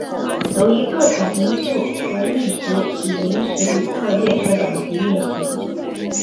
由于各种因素而一直以临时旅客列车等级运行。